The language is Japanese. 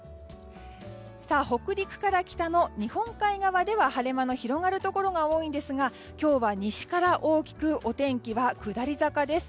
北陸から北の日本海側では晴れ間の広がるところが多いんですが今日は西から大きくお天気が下り坂です。